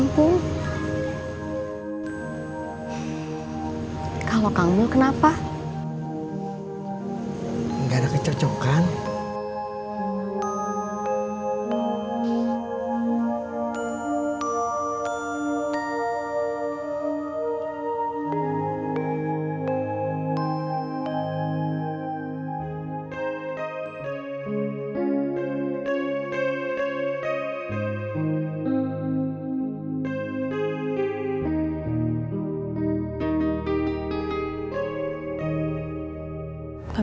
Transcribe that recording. buat kebunmu dia aja